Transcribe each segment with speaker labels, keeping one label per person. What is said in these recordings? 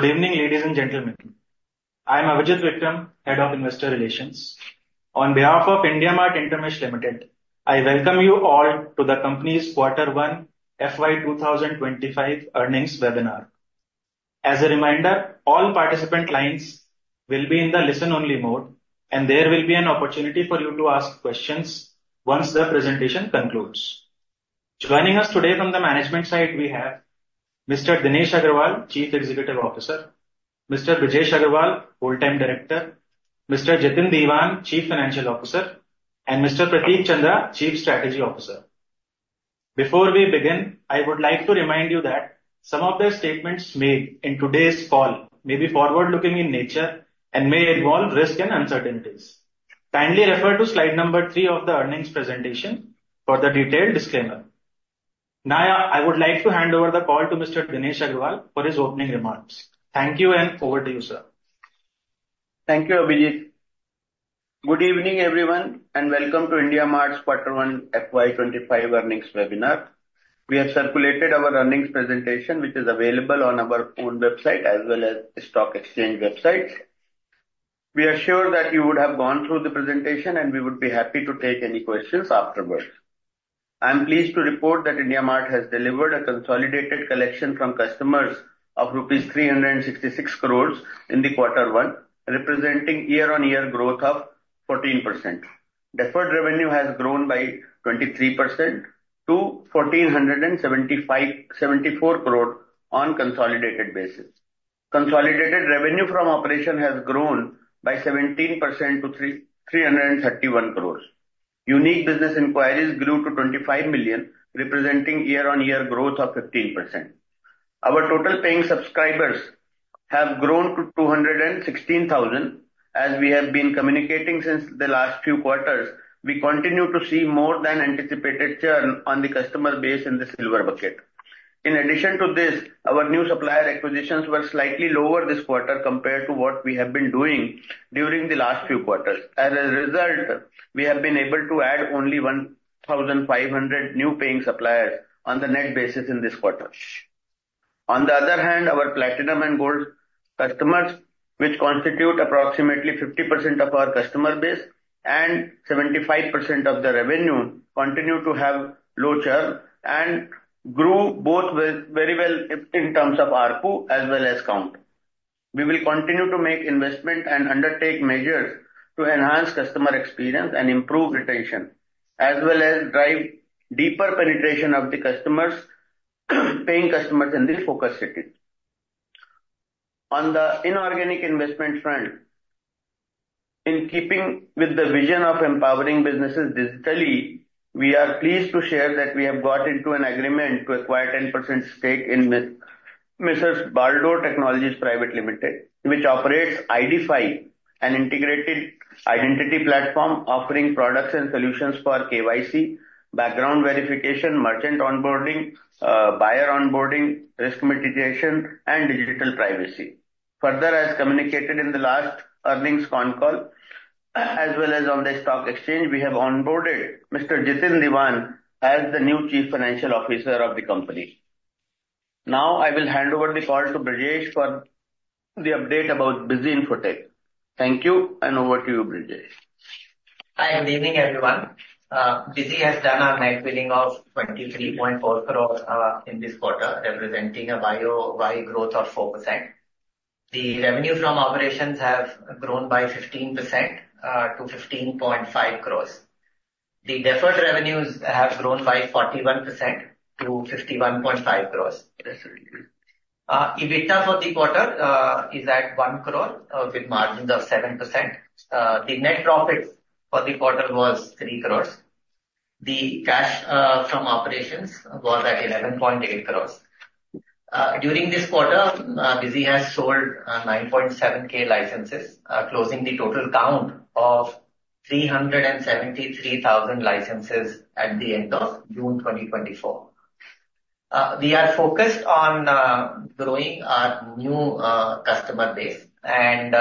Speaker 1: Good evening, ladies and gentlemen. I'm Abhijeet Vikram, Head of Investor Relations. On behalf of IndiaMART InterMESH Limited, I welcome you all to the company's Quarter 1, FY 2025 Earnings Webinar. As a reminder, all participant clients will be in the listen-only mode, and there will be an opportunity for you to ask questions once the presentation concludes. Joining us today from the management side, we have Mr. Dinesh Agarwal, Chief Executive Officer, Mr. Brijesh Agarwal, Full-time Director, Mr. Jitin Dewan, Chief Financial Officer, and Mr. Prateek Chandra, Chief Strategy Officer. Before we begin, I would like to remind you that some of the statements made in today's call may be forward-looking in nature and may involve risk and uncertainties. Kindly refer to slide number 3 of the earnings presentation for the detailed disclaimer. Now, I would like to hand over the call to Mr. Dinesh Agarwal for his opening remarks. Thank you, and over to you, sir.
Speaker 2: Thank you, Abhijeet. Good evening, everyone, and welcome to IndiaMART's Quarter 1 FY 25 Earnings Webinar. We have circulated our earnings presentation, which is available on our own website, as well as the stock exchange website. We are sure that you would have gone through the presentation, and we would be happy to take any questions afterwards. I'm pleased to report that IndiaMART has delivered a consolidated collection from customers of rupees 366 crore in the quarter one, representing year-on-year growth of 14%. Deferred revenue has grown by 23% to 1,474 crore on consolidated basis. Consolidated revenue from operation has grown by 17% to 331 crore. Unique business inquiries grew to 25 million, representing year-on-year growth of 15%. Our total paying subscribers have grown to 216,000. As we have been communicating since the last few quarters, we continue to see more than anticipated churn on the customer base in the Silver bucket. In addition to this, our new supplier acquisitions were slightly lower this quarter compared to what we have been doing during the last few quarters. As a result, we have been able to add only 1,500 new paying suppliers on the net basis in this quarter. On the other hand, our Platinum and Gold customers, which constitute approximately 50% of our customer base and 75% of the revenue, continue to have low churn and grew both well, very well in terms of ARPU as well as count. We will continue to make investment and undertake measures to enhance customer experience and improve retention, as well as drive deeper penetration of the customers, paying customers in the focus city. On the inorganic investment front, in keeping with the vision of empowering businesses digitally, we are pleased to share that we have got into an agreement to acquire 10% stake in M/s Baldor Technologies Private Limited, which operates IDfy, an integrated identity platform offering products and solutions for KYC, background verification, merchant onboarding, buyer onboarding, risk mitigation, and digital privacy. Further, as communicated in the last earnings conf call, as well as on the stock exchange, we have onboarded Mr. Jitin Dewan as the new Chief Financial Officer of the company. Now, I will hand over the call to Brijesh for the update about Busy Infotech. Thank you, and over to you, Brijesh.
Speaker 3: Hi, good evening, everyone. Bizy has done a net billing of 23.4 crore in this quarter, representing a YOY growth of 4%. The revenue from operations have grown by 15% to 15.5 crore. The deferred revenues have grown by 41% to 51.5 crore. EBITDA for the quarter is at 1 crore with margins of 7%. The net profits for the quarter was 3 crore. The cash from operations was at 11.8 crore. During this quarter, Bizy has sold 9,700 licenses, closing the total count of 373,000 licenses at the end of June 2024. We are focused on growing our new customer base and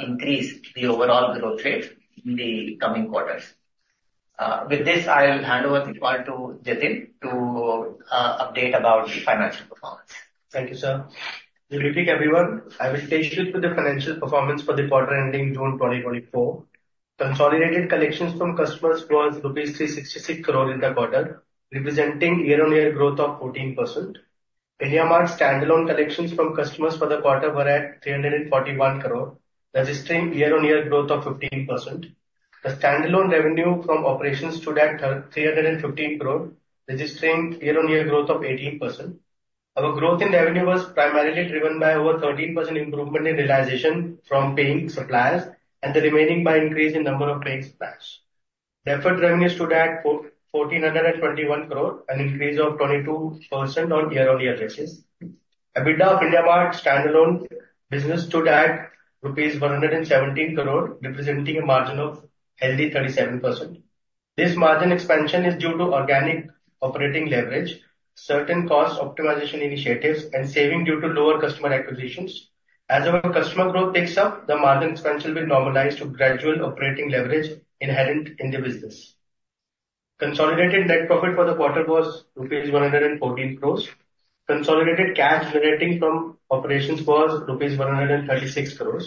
Speaker 3: increase the overall growth rate in the coming quarters. With this, I'll hand over the call to Jitin to update about the financial performance.
Speaker 1: Thank you, sir. Good evening, everyone. I will take you through the financial performance for the quarter ending June 2024. Consolidated collections from customers was rupees 366 crore in the quarter, representing year-on-year growth of 14%. IndiaMART standalone collections from customers for the quarter were at 341 crore, registering year-on-year growth of 15%. The standalone revenue from operations stood at three hundred and fifty crore, registering year-on-year growth of 18%. Our growth in revenue was primarily driven by over 13% improvement in realization from paying suppliers, and the remaining by increase in number of paying suppliers. Deferred revenue stood at fourteen hundred and twenty-one crore, an increase of 22% on year-on-year basis. EBITDA of IndiaMART standalone business stood at rupees 117 crore, representing a margin of healthy 37%. This margin expansion is due to organic operating leverage, certain cost optimization initiatives, and saving due to lower customer acquisitions. As our customer growth picks up, the margin expense will be normalized to gradual operating leverage inherent in the business.... Consolidated net profit for the quarter was rupees 114 crore. Consolidated cash generating from operations was rupees 136 crore.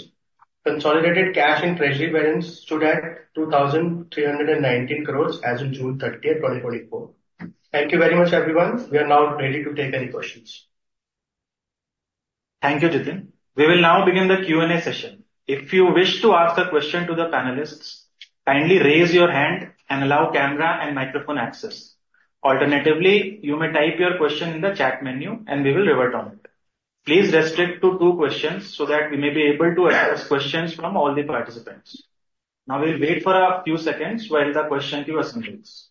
Speaker 1: Consolidated cash and treasury balance stood at 2,319 crore as of June 30, 2024. Thank you very much, everyone. We are now ready to take any questions.
Speaker 2: Thank you, Jitin. We will now begin the Q&A session. If you wish to ask a question to the panelists, kindly raise your hand and allow camera and microphone access. Alternatively, you may type your question in the chat menu and we will revert on it. Please restrict to two questions so that we may be able to address questions from all the participants. Now, we'll wait for a few seconds while the question queue assembles.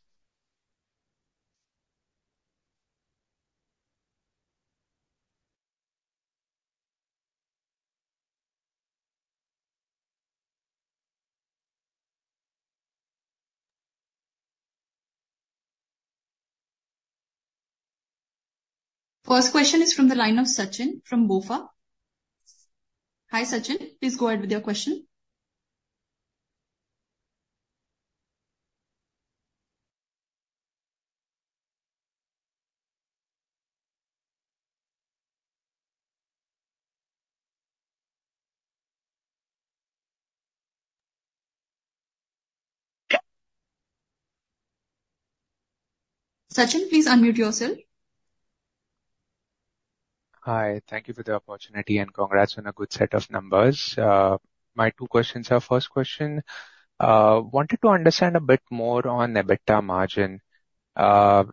Speaker 4: First question is from the line of Sachin from BOFA. Hi, Sachin, please go ahead with your question. Sachin, please unmute yourself.
Speaker 5: Hi, thank you for the opportunity, and congrats on a good set of numbers. My two questions are: first question, wanted to understand a bit more on EBITDA margin.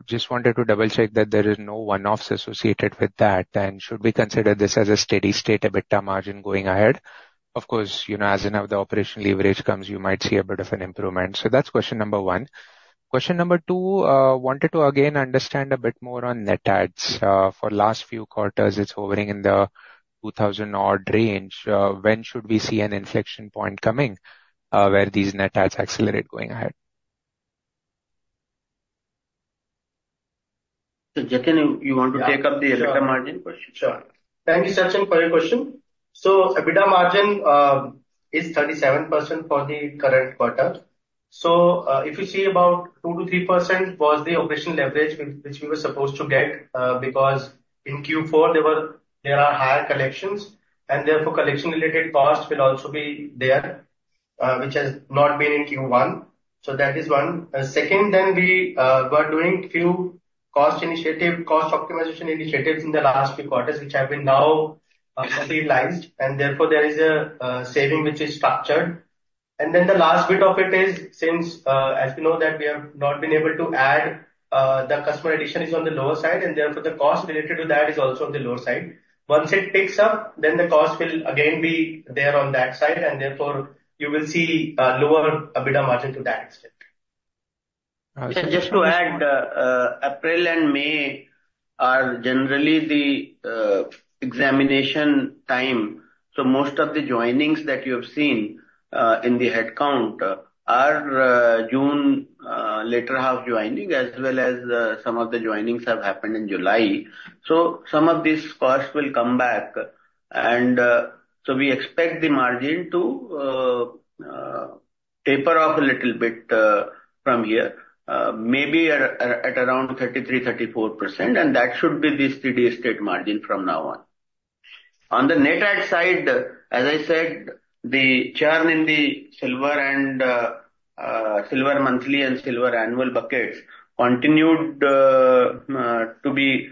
Speaker 5: Just wanted to double check that there is no one-offs associated with that, and should we consider this as a steady state EBITDA margin going ahead? Of course, you know, as and how the operational leverage comes, you might see a bit of an improvement. So that's question number one. Question number two, wanted to again understand a bit more on net adds. For last few quarters, it's hovering in the 2,000-odd range. When should we see an inflection point coming, where these net adds accelerate going ahead?
Speaker 1: So, Jitin, you want to take up the EBITDA margin question?
Speaker 6: Sure.
Speaker 1: Thank you, Sachin, for your question. So EBITDA margin is 37% for the current quarter. So, if you see about 2%-3% was the operational leverage which we were supposed to get, because in Q4 there are higher collections, and therefore, collection-related costs will also be there, which has not been in Q1. So that is one. Second, then we were doing few cost initiative, cost optimization initiatives in the last few quarters, which have been now realized, and therefore, there is a saving which is structured. And then the last bit of it is since, as you know, that we have not been able to add the customer addition is on the lower side, and therefore, the cost related to that is also on the lower side. Once it picks up, then the cost will again be there on that side, and therefore, you will see a lower EBITDA margin to that extent.
Speaker 2: Just to add, April and May are generally the examination time, so most of the joinings that you have seen in the headcount are June latter half joining, as well as some of the joinings have happened in July. So some of these costs will come back and so we expect the margin to taper off a little bit from here, maybe at around 33%-34%, and that should be the steady state margin from now on. On the net add side, as I said, the churn in the Silver and Silver monthly and Silver annual buckets continued to be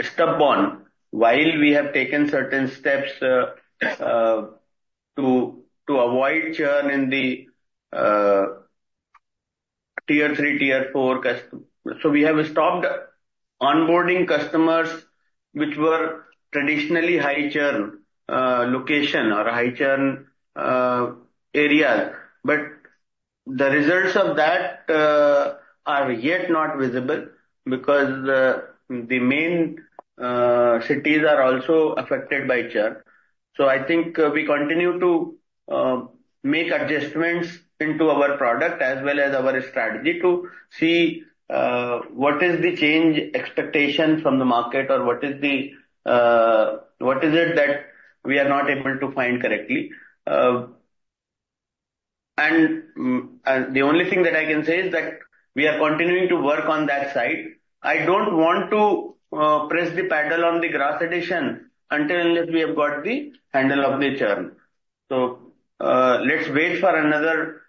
Speaker 2: stubborn. While we have taken certain steps to avoid churn in the tier three, tier four. So we have stopped onboarding customers which were traditionally high churn location or high churn areas. But the results of that are yet not visible because the main cities are also affected by churn. So I think we continue to make adjustments into our product as well as our strategy to see what is the churn expectation from the market, or what is it that we are not able to find correctly. And the only thing that I can say is that we are continuing to work on that side. I don't want to press the pedal on the gross addition until unless we have got the handle of the churn. Let's wait for another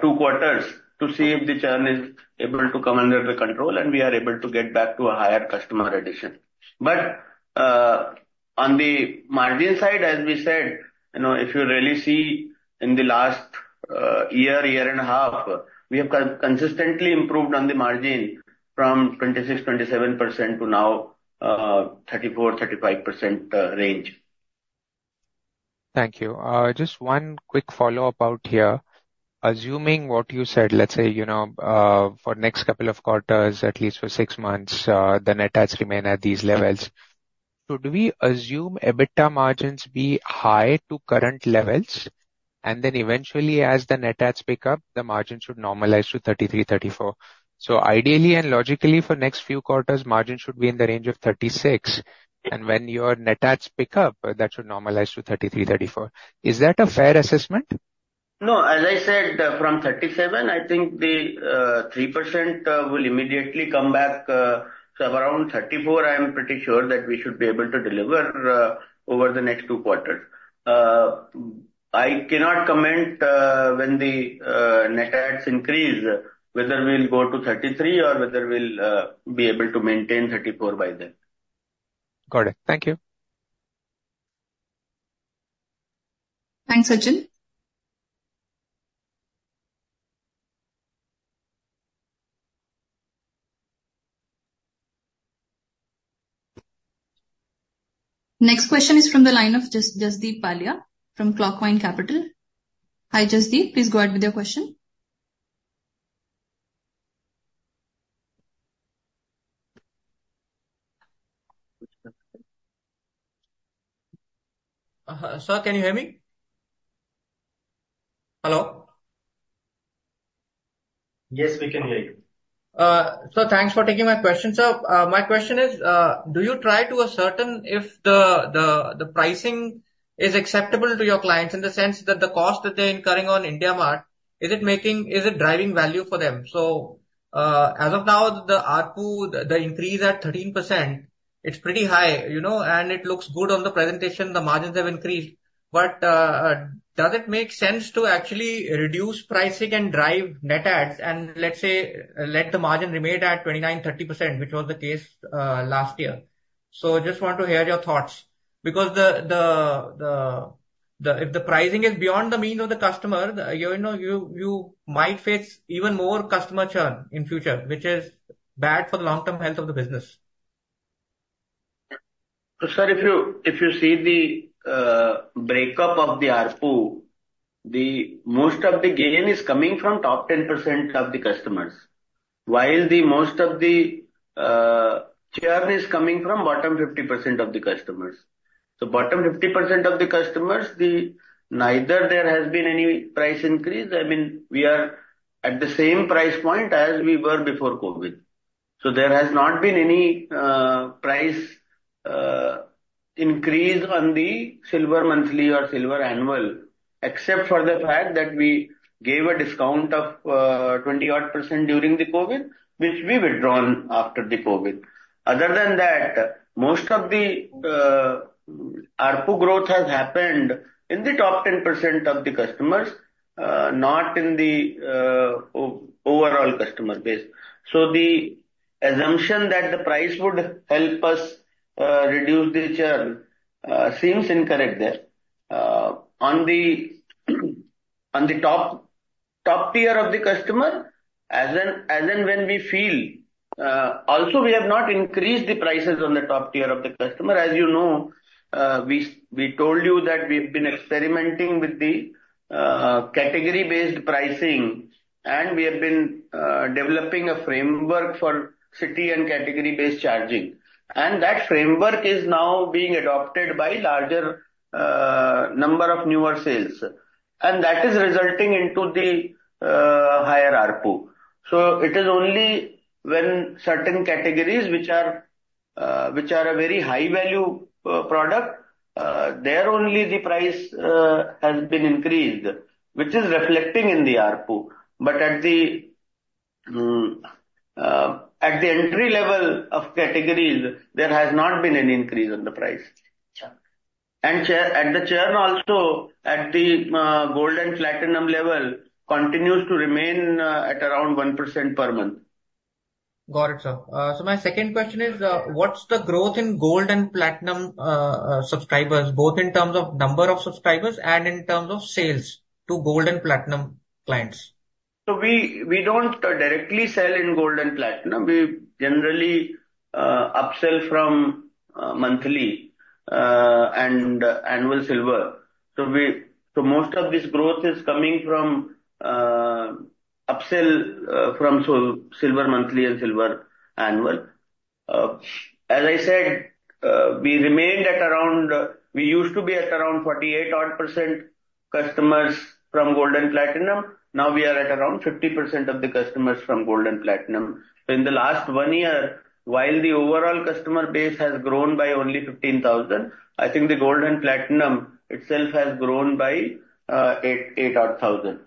Speaker 2: 2 quarters to see if the churn is able to come under the control, and we are able to get back to a higher customer addition. But, on the margin side, as we said, you know, if you really see in the last year and a half, we have consistently improved on the margin from 26%-27% to now, 34%-35% range.
Speaker 5: Thank you. Just one quick follow-up out here. Assuming what you said, let's say, you know, for next couple of quarters, at least for six months, the net adds remain at these levels. Should we assume EBITDA margins be high to current levels, and then eventually as the net adds pick up, the margin should normalize to 33-34? So ideally and logically, for next few quarters, margin should be in the range of 36, and when your net adds pick up, that should normalize to 33-34. Is that a fair assessment?
Speaker 2: ...No, as I said, from 37, I think the 3%, will immediately come back, so around 34, I am pretty sure that we should be able to deliver, over the next 2 quarters. I cannot comment, when the net adds increase, whether we'll go to 33 or whether we'll be able to maintain 34 by then.
Speaker 5: Got it. Thank you.
Speaker 4: Thanks, Sachin. Next question is from the line of Jasdeep Walia from Clockvine Capital. Hi, Jasdeep, please go ahead with your question.
Speaker 7: Sir, can you hear me? Hello?
Speaker 2: Yes, we can hear you.
Speaker 7: So thanks for taking my question, sir. My question is, do you try to ascertain if the, the, the pricing is acceptable to your clients, in the sense that the cost that they're incurring on IndiaMART, is it making- is it driving value for them? So, as of now, the ARPU, the, the increase at 13%, it's pretty high, you know, and it looks good on the presentation, the margins have increased. But, does it make sense to actually reduce pricing and drive net adds and let's say, let the margin remain at 29%-30%, which was the case, last year? So just want to hear your thoughts, because if the pricing is beyond the means of the customer, you know, you might face even more customer churn in future, which is bad for the long-term health of the business.
Speaker 2: So, sir, if you see the breakup of the ARPU, the most of the gain is coming from top 10% of the customers, while the most of the churn is coming from bottom 50% of the customers. Bottom 50% of the customers, neither there has been any price increase. I mean, we are at the same price point as we were before COVID. So there has not been any price increase on the Silver Monthly or Silver Annual, except for the fact that we gave a discount of 20-odd% during the COVID, which we withdrawn after the COVID. Other than that, most of the ARPU growth has happened in the top 10% of the customers, not in the overall customer base. So the assumption that the price would help us reduce the churn seems incorrect there. On the top tier of the customer, as and when we feel, also, we have not increased the prices on the top tier of the customer. As you know, we told you that we've been experimenting with the category-based pricing, and we have been developing a framework for city and category-based charging. And that framework is now being adopted by larger number of newer sales, and that is resulting into the higher ARPU. So it is only when certain categories which are a very high-value product, there only the price has been increased, which is reflecting in the ARPU. But at the entry level of categories, there has not been any increase on the price.
Speaker 7: Sure.
Speaker 2: The churn also at the gold and platinum level continues to remain at around 1% per month.
Speaker 7: Got it, sir. So my second question is, what's the growth in gold and platinum subscribers, both in terms of number of subscribers and in terms of sales to gold and platinum clients?
Speaker 2: So we don't directly sell in gold and Platinum. We generally upsell from monthly and annual Silver. So most of this growth is coming from upsell from Silver Monthly and Silver Annual. As I said, we remained at around, we used to be at around 48 odd% customers from gold and platinum. Now we are at around 50% of the customers from gold and platinum. So in the last one year, while the overall customer base has grown by only 15,000, I think the gold and platinum itself has grown by eight, eight odd thousand.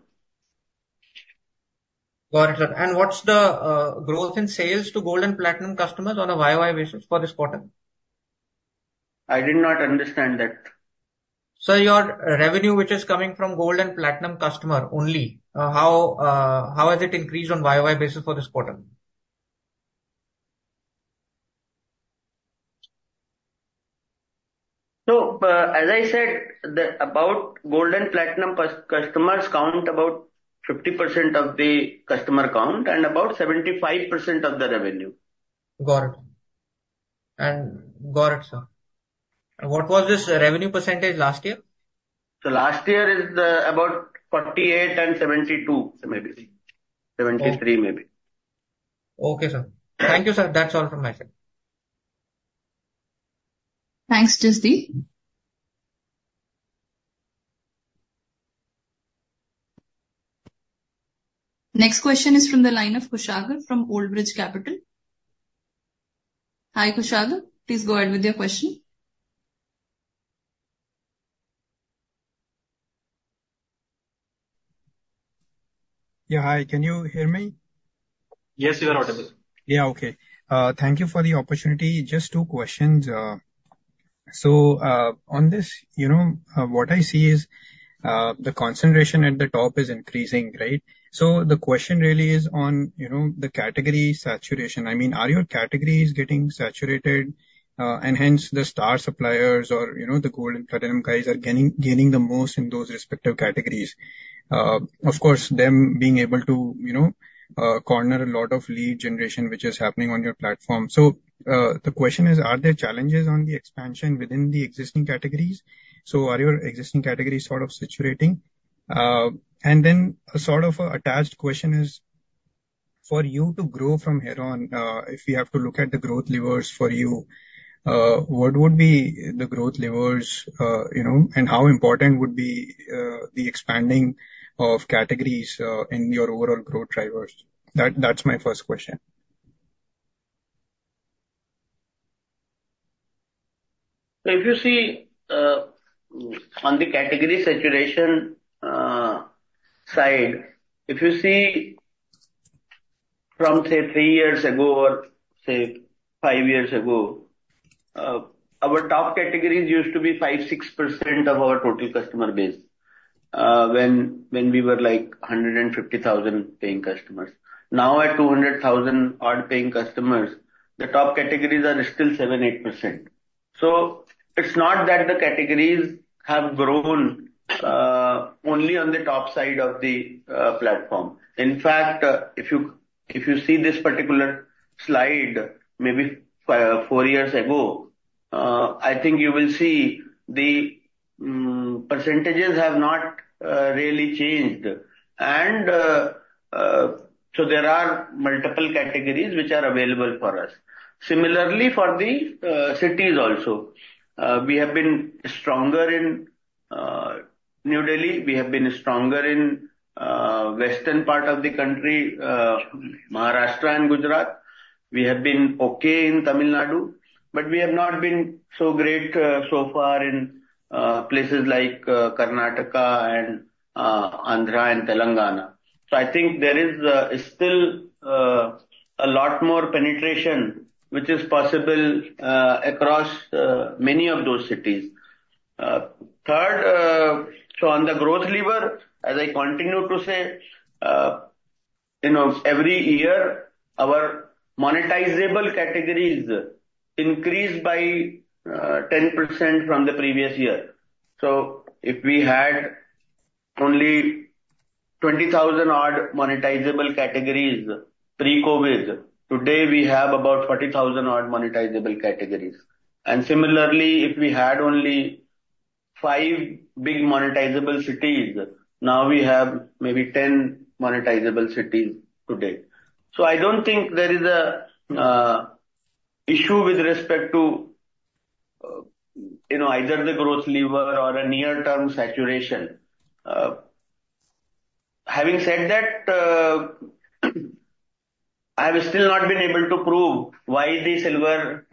Speaker 7: Got it. And what's the growth in sales to Gold and platinum customers on a YOY basis for this quarter?
Speaker 2: I did not understand that.
Speaker 7: Sir, your revenue, which is coming from gold and platinum customer only, how has it increased on YOY basis for this quarter?
Speaker 2: As I said, about gold and platinum customers count about 50% of the customer count and about 75% of the revenue.
Speaker 7: Got it. And got it, sir. What was this revenue percentage last year?
Speaker 2: Last year is about 48 and 72, maybe. 73, maybe.
Speaker 7: Okay, sir. Thank you, sir. That's all from my side.
Speaker 4: Thanks, Jasdeep. Next question is from the line of Kushagra, from Old Bridge Capital. Hi, Kushagra, please go ahead with your question.
Speaker 8: Yeah, hi. Can you hear me?
Speaker 2: Yes, you are audible.
Speaker 8: Yeah. Okay. Thank you for the opportunity. Just two questions. So, on this, you know, what I see is, the concentration at the top is increasing, right? So the question really is on, you know, the category saturation. I mean, are your categories getting saturated, and hence the star suppliers or, you know, the gold and platinum guys are gaining, gaining the most in those respective categories? Of course, them being able to, you know, corner a lot of lead generation, which is happening on your platform. So, the question is, are there challenges on the expansion within the existing categories? So are your existing categories sort of saturating? And then a sort of an attached question is: for you to grow from here on, if we have to look at the growth levers for you, what would be the growth levers, you know, and how important would be, the expanding of categories, in your overall growth drivers? That, that's my first question.
Speaker 2: So if you see, on the category saturation side, if you see from, say, three years ago or, say, five years ago, our top categories used to be 5%-6% of our total customer base, when we were, like, 150,000 paying customers. Now, at 200,000 odd paying customers, the top categories are still 7%-8%. So it's not that the categories have grown, only on the top side of the platform. In fact, if you see this particular slide, maybe four years ago, I think you will see the percentages have not really changed. And so there are multiple categories which are available for us. Similarly, for the cities also. We have been stronger in New Delhi, we have been stronger in western part of the country, Maharashtra and Gujarat. We have been okay in Tamil Nadu, but we have not been so great so far in places like Karnataka and Andhra and Telangana. So I think there is still a lot more penetration which is possible across many of those cities. Third, so on the growth lever, as I continue to say, you know, every year, our monetizable categories increase by 10% from the previous year. So if we had only 20,000 odd monetizable categories pre-COVID, today we have about 40,000 odd monetizable categories. And similarly, if we had only 5 big monetizable cities, now we have maybe 10 monetizable cities today. So I don't think there is an issue with respect to, you know, either the growth lever or a near-term saturation. Having said that, I've still not been able to prove why the silver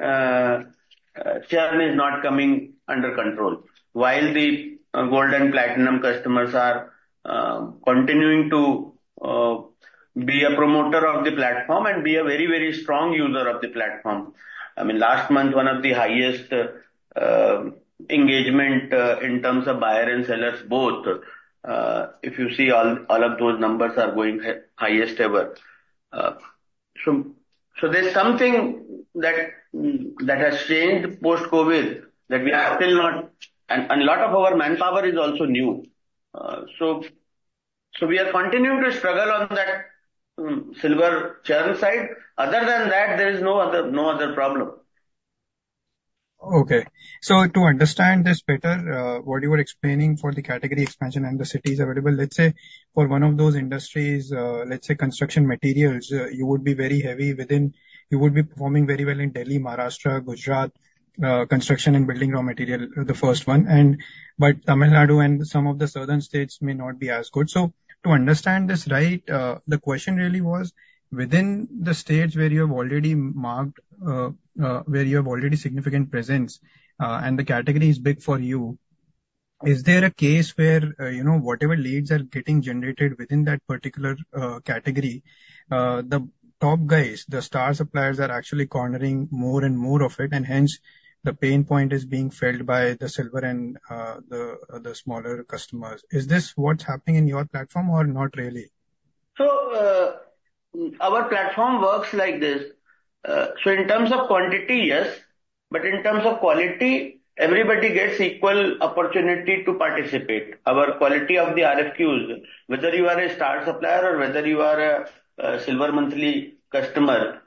Speaker 2: churn is not coming under control, while the gold and platinum customers are continuing to be a promoter of the platform and be a very, very strong user of the platform. I mean, last month, one of the highest engagement in terms of buyer and sellers both, if you see all of those numbers are going highest ever. So there's something that has changed post-COVID that we have still not... And a lot of our manpower is also new. So we are continuing to struggle on that silver churn side. Other than that, there is no other problem.
Speaker 8: Okay. So to understand this better, what you were explaining for the category expansion and the cities available, let's say for one of those industries, let's say construction materials, you would be very heavy within - you would be performing very well in Delhi, Maharashtra, Gujarat, construction and building raw material, the first one, and but Tamil Nadu and some of the southern states may not be as good. So to understand this right, the question really was, within the states where you have already marked, where you have already significant presence, and the category is big for you, is there a case where, you know, whatever leads are getting generated within that particular category, the top guys, the star suppliers, are actually cornering more and more of it, and hence the pain point is being felt by the silver and the smaller customers? Is this what's happening in your platform or not really?
Speaker 2: So, our platform works like this. So in terms of quantity, yes, but in terms of quality, everybody gets equal opportunity to participate. Our quality of the RFQs, whether you are a star supplier or whether you are a, Silver Monthly customer,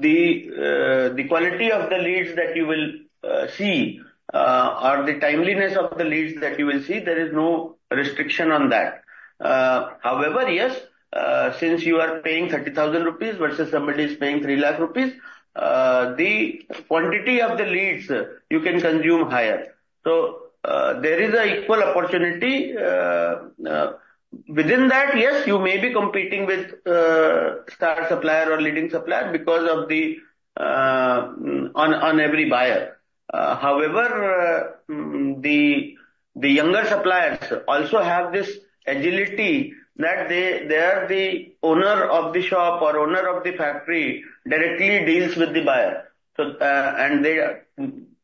Speaker 2: the quality of the leads that you will see, or the timeliness of the leads that you will see, there is no restriction on that. However, yes, since you are paying 30,000 rupees versus somebody who's paying 300,000 rupees, the quantity of the leads you can consume higher. There is a equal opportunity, within that, yes, you may be competing with star supplier or leading supplier because of the, on, on every buyer. However, the younger suppliers also have this agility that they are the owner of the shop or owner of the factory, directly deals with the buyer. So, and they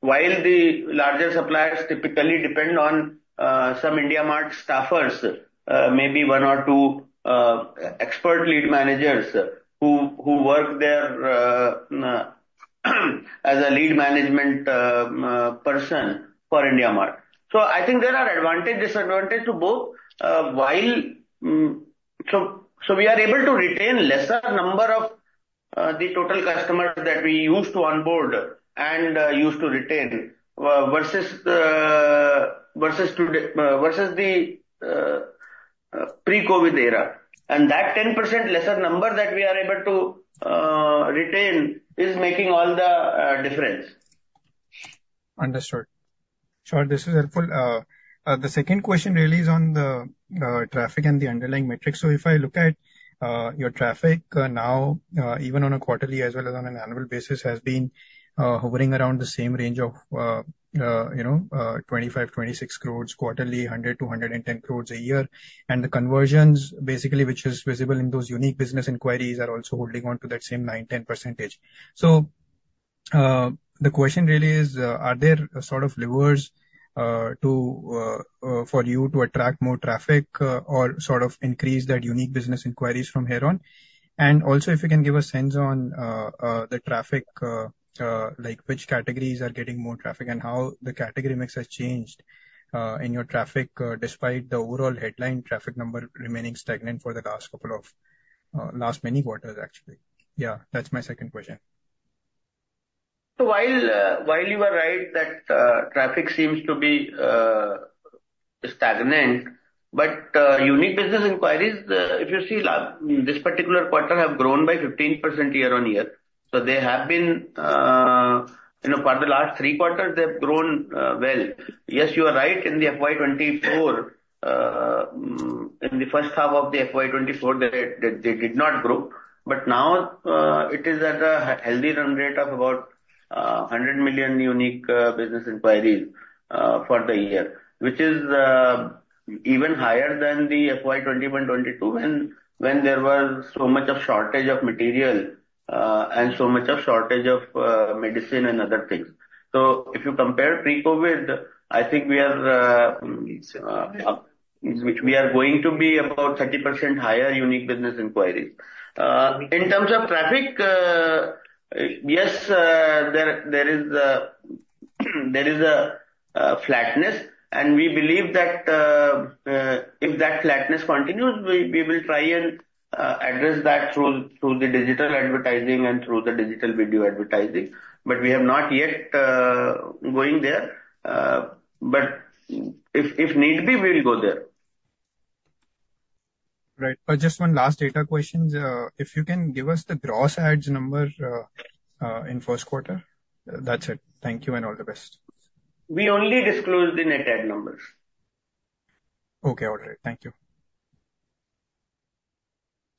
Speaker 2: while the larger suppliers typically depend on IndiaMART staffers, maybe one or two expert lead managers who work there as a lead management person IndiaMART. so I think there are advantage, disadvantage to both, while. So we are able to retain lesser number of the total customers that we used to onboard and used to retain versus versus today versus the pre-COVID era. And that 10% lesser number that we are able to retain is making all the difference.
Speaker 8: Understood. Sure, this is helpful. The second question really is on the traffic and the underlying metrics. So if I look at your traffic now, even on a quarterly as well as on an annual basis, has been hovering around the same range of, you know, 25-26 crores quarterly, 100-110 crores a year. And the conversions, basically, which is visible in those unique business inquiries, are also holding on to that same 9-10%. So the question really is, are there sort of levers to for you to attract more traffic or sort of increase that unique business inquiries from here on? And also, if you can give a sense on the traffic, like which categories are getting more traffic and how the category mix has changed in your traffic despite the overall headline traffic number remaining stagnant for the last couple of last many quarters, actually. Yeah, that's my second question.
Speaker 2: So while you are right that traffic seems to be stagnant, but unique business inquiries, if you see this particular quarter, have grown by 15% year-on-year. So they have been, you know, for the last three quarters, they've grown well. Yes, you are right, in the FY 2024, in the first half of the FY 2024, they did not grow. But now it is at a healthy run rate of about 100 million unique business inquiries for the year, which is even higher than the FY 2021, 2022, when there was so much of shortage of material and so much of shortage of medicine and other things. So if you compare pre-COVID, I think we are going to be about 30% higher unique business inquiries. In terms of traffic, yes, there is a flatness, and we believe that if that flatness continues, we will try and address that through the digital advertising and through the digital video advertising. But we have not yet going there, but if need be, we will go there. Right. Just one last data question. If you can give us the gross adds number in Q1? That's it. Thank you, and all the best.
Speaker 8: We only disclose the net add numbers. Okay. All right, thank you.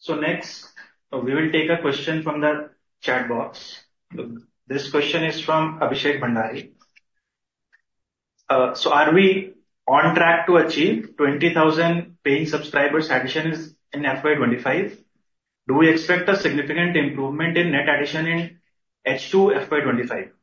Speaker 4: Next, we will take a question from the chat box. This question is from Abhishek Bhandari. "So are we on track to achieve 20,000 paying subscribers additions in FY 2025? Do we expect a significant improvement in net addition in H2 FY 2025?
Speaker 5: See,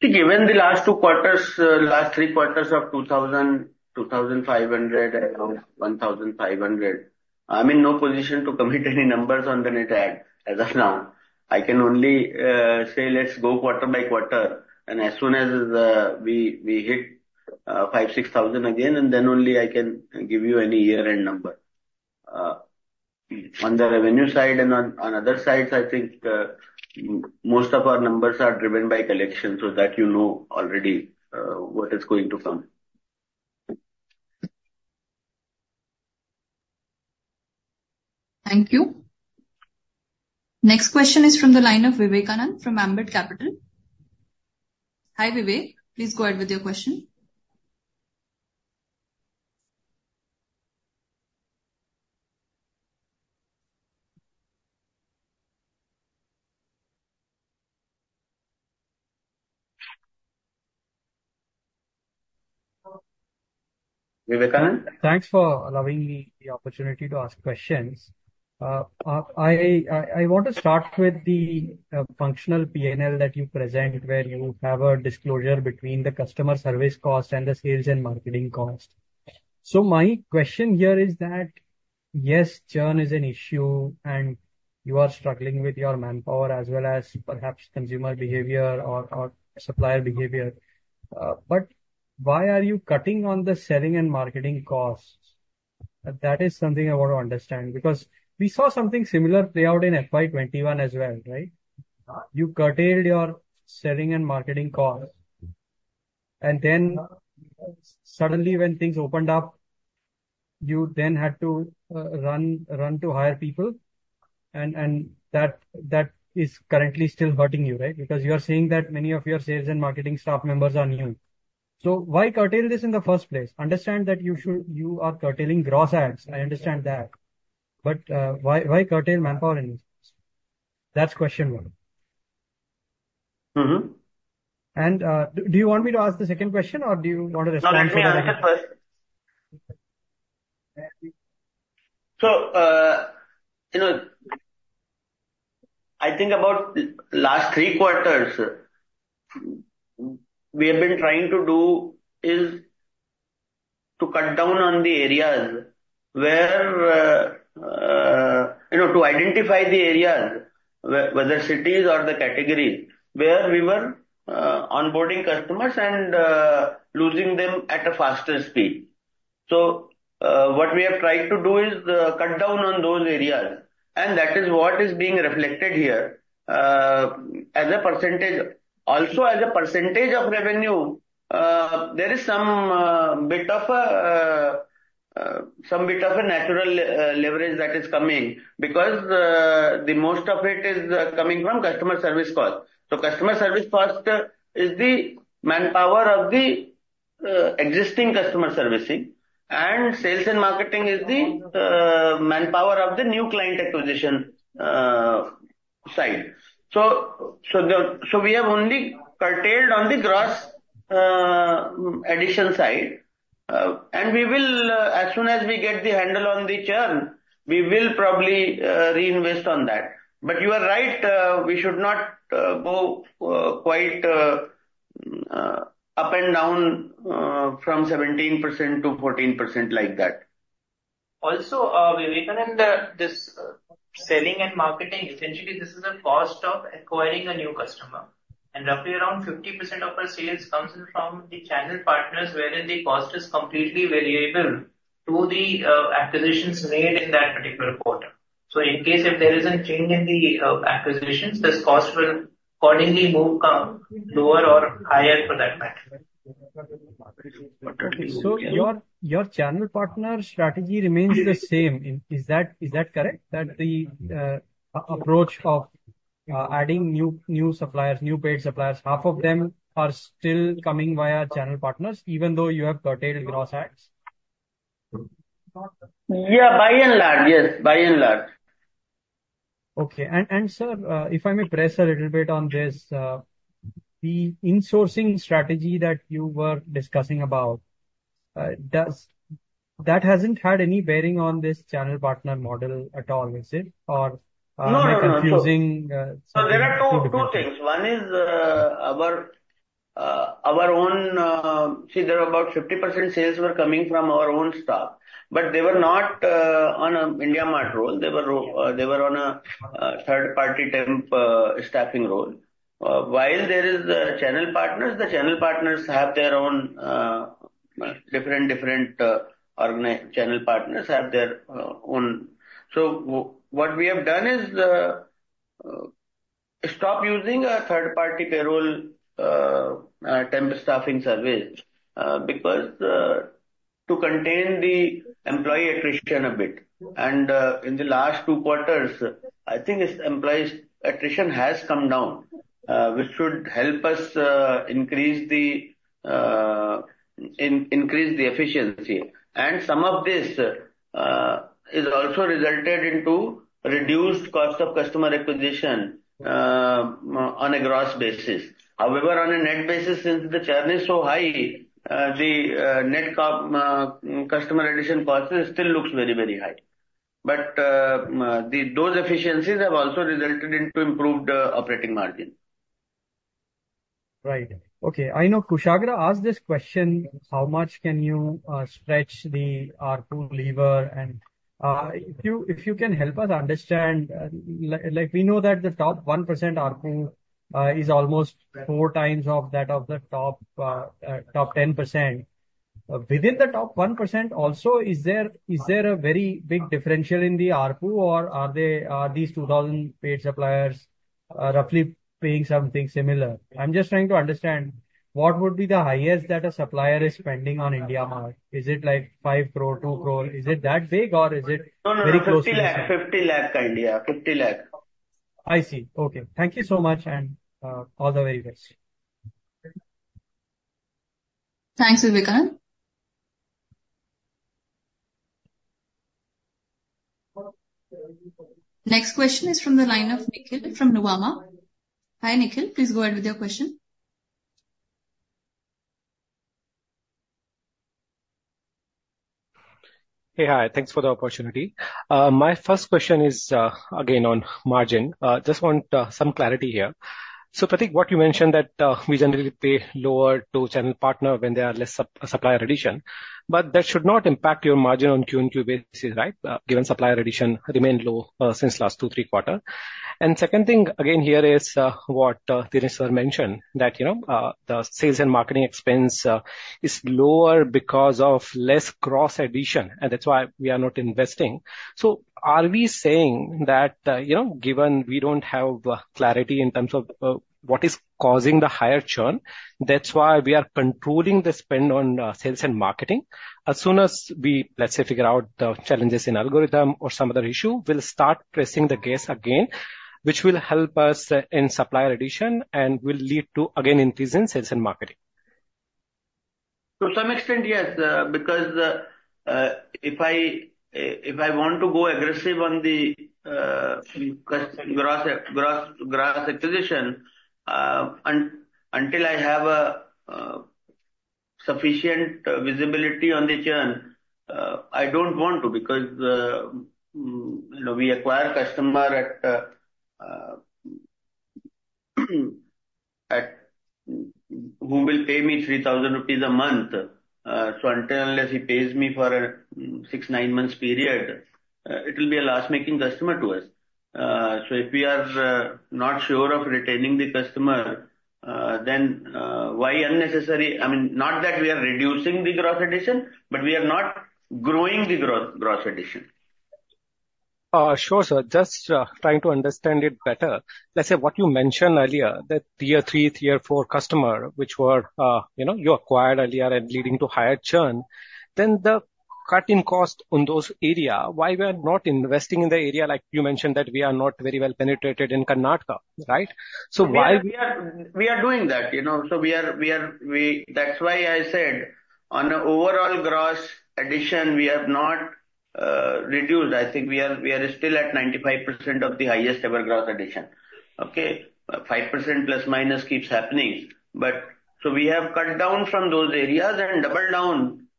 Speaker 5: given the last two quarters, last three quarters of 2,000, 2,500 and 1,500, I'm in no position to commit any numbers on the net add as of now. I can only say let's go quarter by quarter, and as soon as we hit 5,000-6,000 again, and then only I can give you any year-end number. On the revenue side and on other sides, I think most of our numbers are driven by collection, so that you know already what is going to come.
Speaker 4: Thank you. Next question is from the line of Vivekanand from Ambit Capital. Hi, Vivek, please go ahead with your question.
Speaker 2: Vivekanand?
Speaker 9: Thanks for allowing me the opportunity to ask questions. I want to start with the functional PNL that you present, where you have a disclosure between the customer service cost and the sales and marketing cost. So my question here is that, yes, churn is an issue, and you are struggling with your manpower as well as perhaps consumer behavior or supplier behavior, but why are you cutting on the selling and marketing costs? That is something I want to understand, because we saw something similar play out in FY 2021 as well, right? You curtailed your selling and marketing costs. And then suddenly when things opened up, you then had to run to hire people, and that is currently still hurting you, right? Because you are saying that many of your sales and marketing staff members are new. So why curtail this in the first place? Understand that you should—you are curtailing gross adds, I understand that. But, why, why curtail manpower in this? That's question one.
Speaker 2: Mm-hmm.
Speaker 9: And, do you want me to ask the second question, or do you want to respond to the first?
Speaker 2: No, answer me answer first. So, you know, I think about the last three quarters, we have been trying to do is to cut down on the areas where, you know, to identify the areas, whether cities or the categories, where we were onboarding customers and losing them at a faster speed. So, what we have tried to do is cut down on those areas, and that is what is being reflected here, as a percentage. Also, as a percentage of revenue, there is some bit of a natural leverage that is coming. Because, the most of it is coming from customer service cost. So customer service cost is the manpower of the existing customer servicing, and sales and marketing is the manpower of the new client acquisition side. So we have only curtailed on the gross addition side, and we will, as soon as we get the handle on the churn, we will probably reinvest on that. But you are right, we should not go quite up and down from 17%-14% like that.
Speaker 10: Also, Vivekanand, this selling and marketing, essentially this is a cost of acquiring a new customer. Roughly around 50% of our sales comes in from the channel partners, wherein the cost is completely variable to the acquisitions made in that particular quarter. In case if there is a change in the acquisitions, this cost will accordingly move lower or higher for that matter.
Speaker 9: So your channel partner strategy remains the same. Is that correct? That the approach of adding new suppliers, new paid suppliers, half of them are still coming via channel partners, even though you have curtailed gross adds?
Speaker 2: Yeah, by and large. Yes, by and large.
Speaker 9: Okay. And, sir, if I may press a little bit on this, the insourcing strategy that you were discussing about, does... That hasn't had any bearing on this channel partner model at all, is it? Or,
Speaker 2: No, no, no, no.
Speaker 9: Am I confusing?
Speaker 2: So there are two things. One is our own. See, there are about 50% sales were coming from our own staff, but they were not on a IndiaMART role. They were on a third-party temp staffing role. While there are the channel partners, the channel partners have their own different organizations. Channel partners have their own. So what we have done is stop using a third-party payroll temp staffing service because to contain the employee attrition a bit. And in the last 2 quarters, I think its employee attrition has come down, which should help us increase the efficiency. And some of this is also resulted into reduced cost of customer acquisition on a gross basis. However, on a net basis, since the churn is so high, the net customer addition cost still looks very, very high. But those efficiencies have also resulted into improved operating margin.
Speaker 9: Right. Okay, I know Kushagar asked this question: How much can you, stretch the ARPU lever? And, if you, if you can help us understand, like, we know that the top 1% ARPU, is almost 4 times of that of the top, top 10%. Within the top 1% also, is there, is there a very big differential in the ARPU, or are they, are these 2,000 paid suppliers, roughly paying something similar? I'm just trying to understand, what would be the highest that a supplier is spending on IndiaMART? Is it like 5 crore, 2 crore? Is it that big, or is it very close to-
Speaker 2: No, no, no. 50 lakh, 50 lakh, India. 50 lakh.
Speaker 9: I see. Okay. Thank you so much, and all the very best.
Speaker 4: Thanks, Vivekanand. Next question is from the line of Nikhil from Nomura. Hi, Nikhil, please go ahead with your question.
Speaker 11: Hey, hi. Thanks for the opportunity. My first question is again on margin. Just want some clarity here. So Prateek, what you mentioned that we generally pay lower to channel partner when there are less supplier addition, but that should not impact your margin on QoQ basis, right? Given supplier addition remained low since last two, three quarters. And second thing, again, here is what Dinesh sir mentioned, that, you know, the sales and marketing expense is lower because of less gross addition, and that's why we are not investing. So are we saying that, you know, given we don't have clarity in terms of what is causing the higher churn, that's why we are controlling the spend on sales and marketing? As soon as we, let's say, figure out the challenges in algorithm or some other issue, we'll start pressing the case again, which will help us in supplier addition and will lead to, again, increase in sales and marketing.
Speaker 2: To some extent, yes, because if I, if I want to go aggressive on the gross, gross, gross acquisition until I have sufficient visibility on the churn, I don't want to, because you know, we acquire customer at who will pay me 3,000 rupees a month. So until and unless he pays me for 6-9 months period, it will be a loss-making customer to us. So if we are not sure of retaining the customer, then why unnecessary—I mean, not that we are reducing the growth addition, but we are not growing the growth, growth addition.
Speaker 11: Sure, sir. Just trying to understand it better. Let's say what you mentioned earlier, that tier three, tier four customer, which were, you know, you acquired earlier and leading to higher churn, then the cut in cost on those area, why we are not investing in the area like you mentioned, that we are not very well penetrated in Karnataka, right? So why-
Speaker 2: We are doing that, you know, so that's why I said on an overall gross addition, we have not reduced. I think we are still at 95% of the highest ever gross addition. Okay? 5% plus, minus keeps happening, but so we have cut down from those areas and doubled down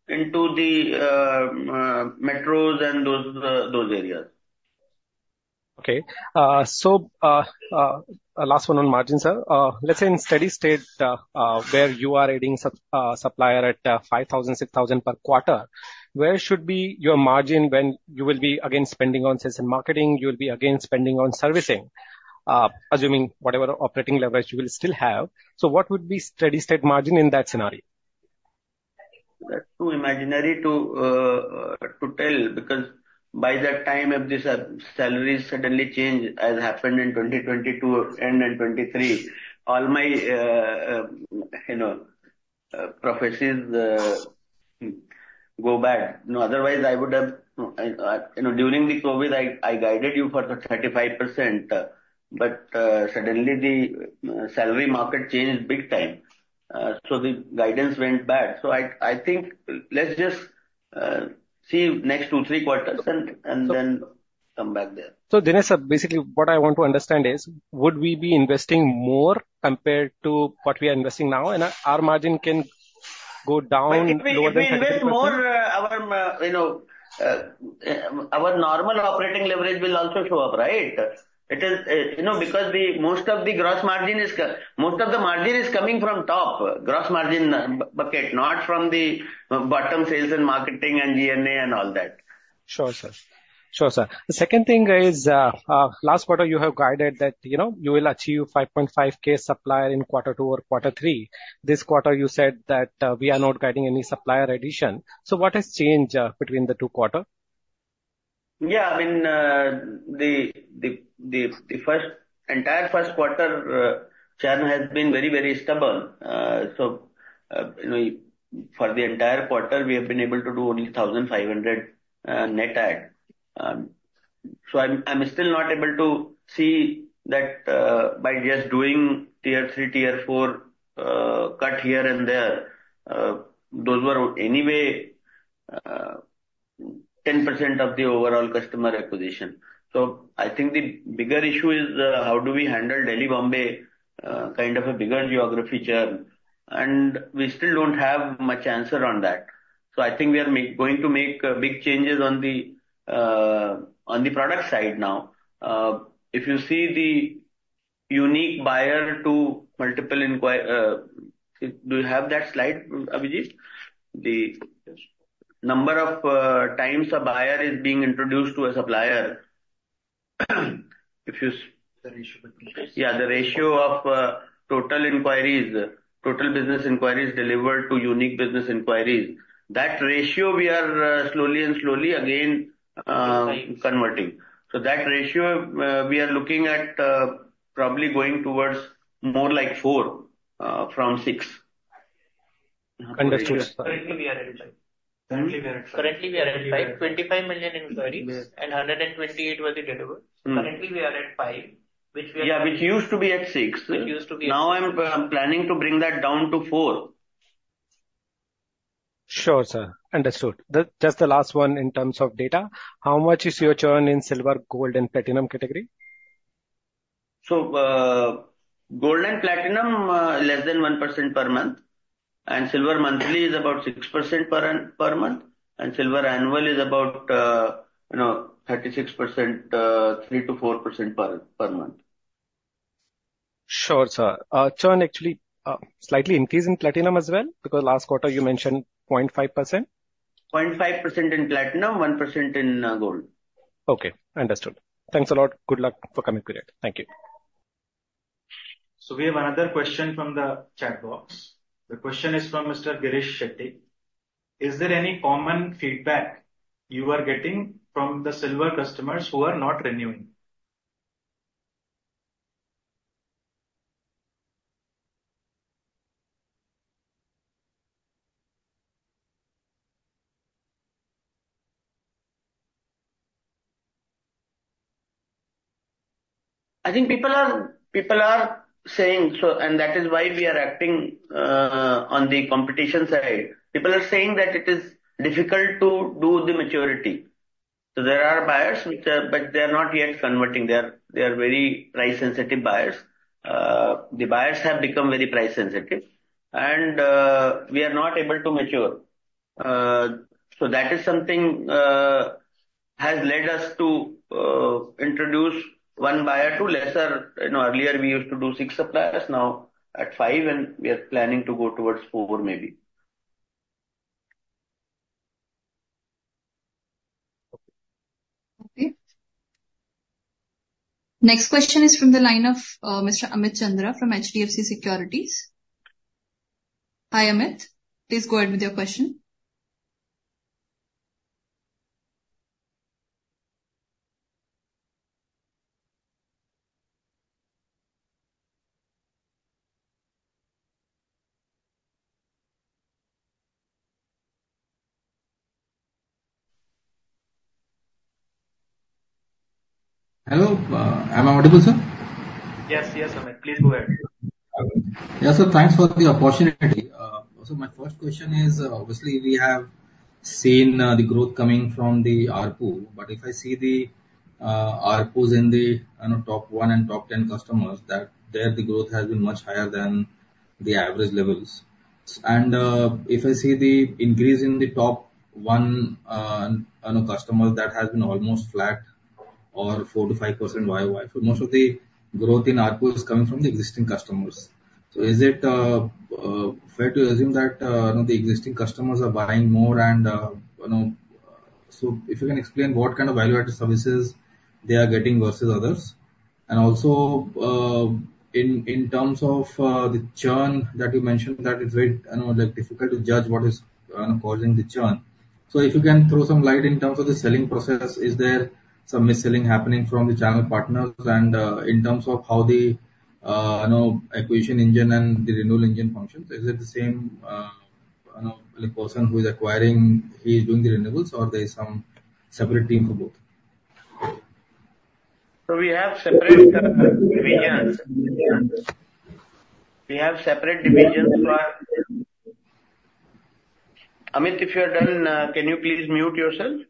Speaker 2: into the metros and those areas.
Speaker 11: Okay. So, last one on margin, sir. Let's say in steady state, where you are adding supplier at 5,000, 6,000 per quarter, where should be your margin when you will be again spending on sales and marketing, you'll be again spending on servicing? Assuming whatever operating leverage you will still have. So what would be steady state margin in that scenario?
Speaker 2: That's too imaginary to tell, because by that time, if the salaries suddenly change, as happened in 2020 to end and 2023, all my, you know, prophecies go bad. No, otherwise I would have, you know, during the COVID, I guided you for the 35%, but suddenly the salary market changed big time. So the guidance went bad. So I think let's just see next two, three quarters and then come back there.
Speaker 11: Dinesh, sir, basically what I want to understand is, would we be investing more compared to what we are investing now, and our margin can go down lower than-
Speaker 2: If we invest more, you know, our normal operating leverage will also show up, right? It is, you know, because most of the margin is coming from top gross margin bucket, not from the bottom sales and marketing and G&A and all that.
Speaker 11: Sure, sir. Sure, sir. The second thing is, last quarter you have guided that, you know, you will achieve 5.5K supplier in quarter two or quarter three. This quarter you said that, we are not getting any supplier addition. So what has changed between the two quarter?
Speaker 2: Yeah, I mean, the entire Q1 churn has been very, very stubborn. So, you know, for the entire quarter, we have been able to do only 1,500 net add. So I'm still not able to see that by just doing tier three, tier four cut here and there, those were anyway 10% of the overall customer acquisition. So I think the bigger issue is how do we handle Delhi, Bombay kind of a bigger geography churn, and we still don't have much answer on that. So I think we are going to make big changes on the product side now. If you see the unique buyer to multiple inquiries, do you have that slide, Abhijeet? The number of times a buyer is being introduced to a supplier. If you-
Speaker 10: The ratio between-
Speaker 2: Yeah, the ratio of total inquiries, total business inquiries delivered to unique business inquiries. That ratio we are slowly and slowly again converting. So that ratio we are looking at probably going towards more like 4 from 6.
Speaker 11: Understood.
Speaker 10: Currently, we are at five.
Speaker 2: Pardon me?
Speaker 10: Currently, we are at 5.25 million inquiries, and 128 was delivered.
Speaker 2: Mm.
Speaker 10: Currently, we are at 5, which we are-
Speaker 2: Yeah, which used to be at 6.
Speaker 10: Which used to be at 6.
Speaker 2: Now I'm planning to bring that down to four.
Speaker 11: Sure, sir. Understood. Just the last one in terms of data, how much is your churn in Silver, Gold, and Platinum category?
Speaker 2: So, Gold and Platinum, less than 1% per month, and Silver Monthly is about 6% per month, and Silver Annual is about, you know, 36%, 3%-4% per month....
Speaker 11: Sure, sir. Churn actually slightly increase in platinum as well? Because last quarter you mentioned 0.5%.
Speaker 2: 0.5% in platinum, 1% in gold.
Speaker 11: Okay, understood. Thanks a lot. Good luck for coming period. Thank you.
Speaker 4: So we have another question from the chat box. The question is from Mr. Girish Shetty: Is there any common feedback you are getting from the silver customers who are not renewing?
Speaker 2: I think people are, people are saying so, and that is why we are acting on the competition side. People are saying that it is difficult to do the maturity. So there are buyers which are, but they are not yet converting. They are, they are very price-sensitive buyers. The buyers have become very price-sensitive, and we are not able to mature. So that is something has led us to introduce one buyer to lesser... You know, earlier we used to do 6 suppliers, now at 5, and we are planning to go towards 4 maybe.
Speaker 4: Okay. Next question is from the line of Mr. Amit Chandra from HDFC Securities. Hi, Amit, please go ahead with your question.
Speaker 12: Hello, am I audible, sir?
Speaker 4: Yes, yes, Amit, please go ahead.
Speaker 12: Okay. Yes, sir, thanks for the opportunity. So my first question is, obviously, we have seen the growth coming from the ARPU, but if I see the ARPUs in the top 1 and top 10 customers, that there the growth has been much higher than the average levels. And, if I see the increase in the top 1 customer, that has been almost flat or 4%-5% YoY. So most of the growth in ARPU is coming from the existing customers. So is it fair to assume that, you know, the existing customers are buying more and, you know... So if you can explain what kind of value-added services they are getting versus others? And also, in terms of the churn that you mentioned, that is very, I know, difficult to judge what is causing the churn. So if you can throw some light in terms of the selling process, is there some mis-selling happening from the channel partners? And, in terms of how the, you know, acquisition engine and the renewal engine functions, is it the same, you know, the person who is acquiring, he is doing the renewals or there is some separate team for both?
Speaker 2: So we have separate divisions for Amit, if you are done, can you please mute yourself?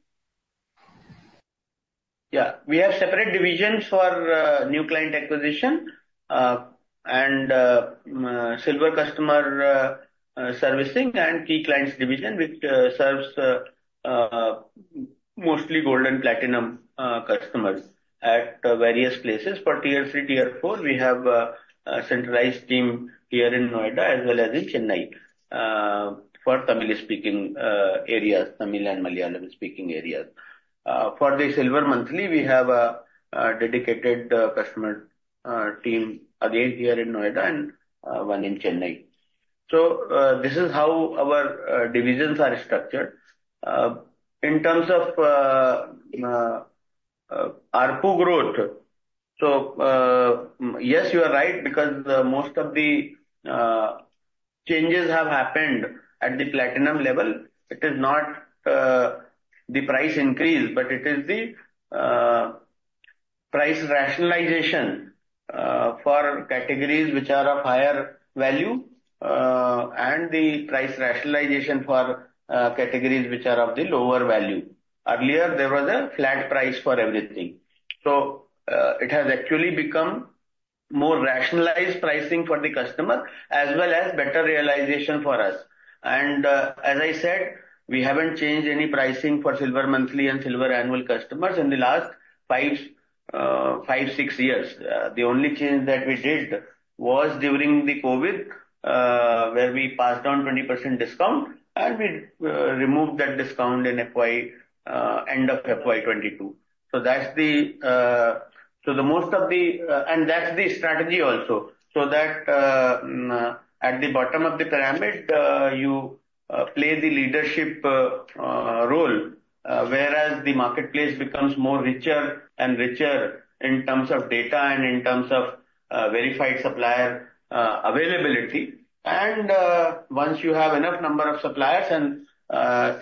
Speaker 2: Yeah, we have separate divisions for new client acquisition, and silver customer servicing, and key clients division, which serves mostly gold and platinum customers at various places. For tier three, tier four, we have a centralized team here in Noida, as well as in Chennai, for Tamil speaking areas, Tamil and Malayalam speaking areas. For the silver monthly, we have a dedicated customer team, again, here in Noida and one in Chennai. So this is how our divisions are structured. In terms of ARPU growth, so yes, you are right, because most of the changes have happened at the platinum level. It is not the price increase, but it is the price rationalization for categories which are of higher value, and the price rationalization for categories which are of the lower value. Earlier, there was a flat price for everything. So, it has actually become more rationalized pricing for the customer, as well as better realization for us. And, as I said, we haven't changed any pricing for Silver Monthly and Silver Annual customers in the last five, six years. The only change that we did was during the COVID, where we passed on 20% discount and we removed that discount in FY end of FY 2022. So that's the. And that's the strategy also. So that at the bottom of the pyramid you play the leadership role whereas the marketplace becomes more richer and richer in terms of data and in terms of verified supplier availability. And once you have enough number of suppliers and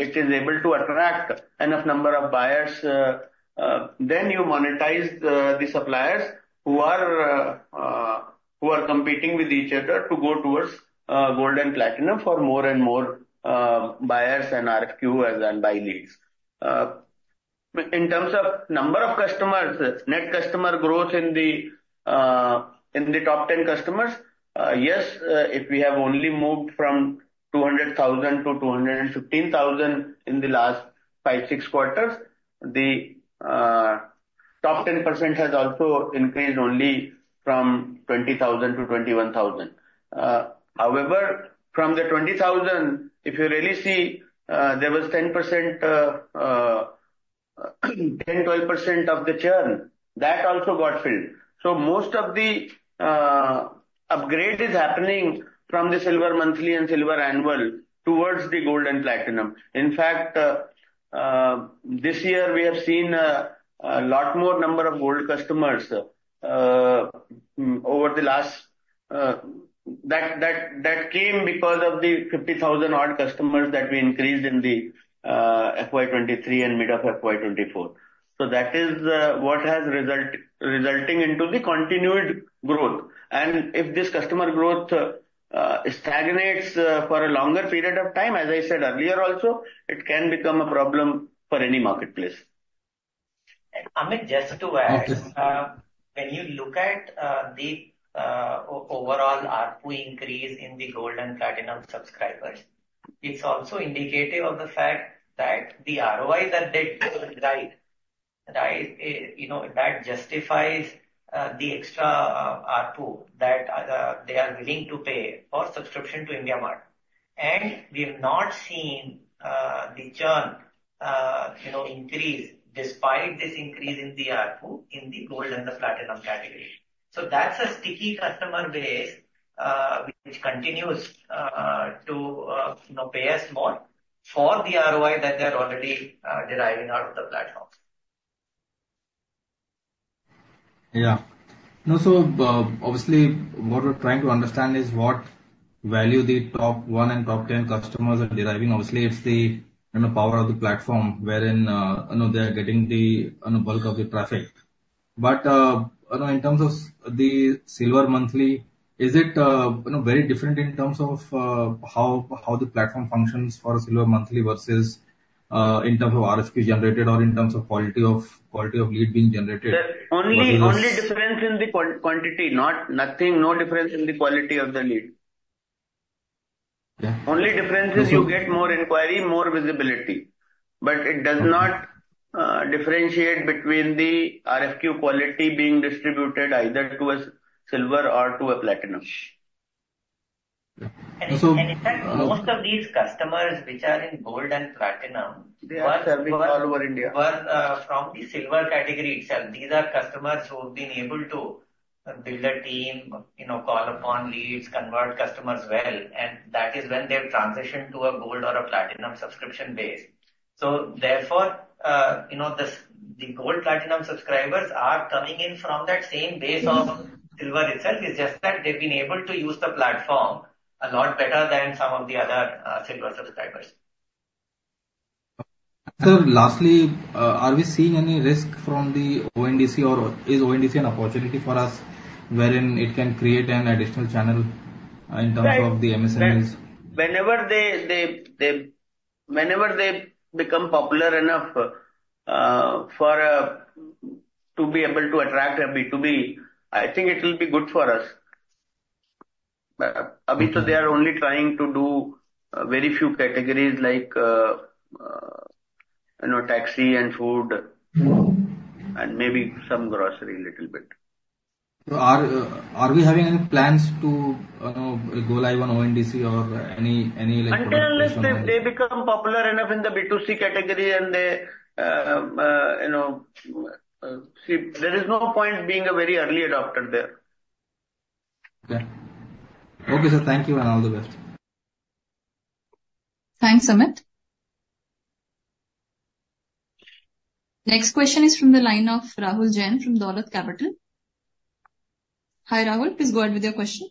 Speaker 2: it is able to attract enough number of buyers then you monetize the suppliers who are competing with each other to go towards gold and platinum for more and more buyers and RFQ and buy leads. In terms of number of customers, net customer growth in the top ten customers? Yes, if we have only moved from 200,000 to 215,000 in the last 5-6 quarters, the top ten percent has also increased only from 20,000 to 21,000. However, from the 20,000, if you really see, there was 10%-12% of the churn that also got filled. So most of the upgrade is happening from the Silver Monthly and Silver Annual towards the Gold and Platinum. In fact, this year we have seen a lot more number of Gold customers over the last that came because of the 50,000 odd customers that we increased in the FY 2023 and mid of FY 2024. That is what has resulting into the continued growth. If this customer growth stagnates for a longer period of time, as I said earlier, also, it can become a problem for any marketplace.
Speaker 3: Amit, just to add-
Speaker 2: Okay.
Speaker 3: When you look at the overall ARPU increase in the gold and platinum subscribers, it's also indicative of the fact that the ROIs that they derive, right, you know, that justifies the extra ARPU that they are willing to pay for subscription to IndiaMART. And we have not seen the churn, you know, increase despite this increase in the ARPU in the gold and the platinum category. So that's a sticky customer base which continues to you know pay us more for the ROI that they are already deriving out of the platform.
Speaker 12: Yeah. No, so, obviously, what we're trying to understand is what value the top 1 and top 10 customers are deriving. Obviously, it's the, you know, power of the platform wherein, you know, they are getting the, you know, bulk of the traffic. But, you know, in terms of the Silver Monthly, is it, you know, very different in terms of, how the platform functions for Silver Monthly versus, in terms of RFQ generated, or in terms of quality of, quality of lead being generated?
Speaker 2: Sir, only difference in the quantity, no difference in the quality of the lead.
Speaker 12: Yeah.
Speaker 2: Only difference is you get more inquiry, more visibility, but it does not differentiate between the RFQ quality being distributed either to a silver or to a platinum.
Speaker 12: Yeah, so-
Speaker 3: In fact, most of these customers which are in gold and platinum-
Speaker 2: They are serving all over India.
Speaker 3: We're from the silver category itself. These are customers who have been able to build a team, you know, call upon leads, convert customers well, and that is when they've transitioned to a gold or a platinum subscription base. So therefore, you know, the gold platinum subscribers are coming in from that same base of silver itself. It's just that they've been able to use the platform a lot better than some of the other silver subscribers.
Speaker 12: Sir, lastly, are we seeing any risk from the ONDC, or is ONDC an opportunity for us, wherein it can create an additional channel in terms of the MSMEs?
Speaker 2: Whenever they become popular enough to be able to attract a B2B, I think it will be good for us. But they are only trying to do a very few categories like, you know, taxi and food-
Speaker 12: Mm-hmm.
Speaker 2: and maybe some grocery, little bit.
Speaker 12: So, are we having any plans to, you know, go live on ONDC or any, any like-
Speaker 2: Until unless they become popular enough in the B2C category and they, you know, see, there is no point being a very early adopter there.
Speaker 12: Okay. Okay, sir, thank you, and all the best.
Speaker 4: Thanks, Amit. Next question is from the line of Rahul Jain from Dolat Capital. Hi, Rahul, please go ahead with your question.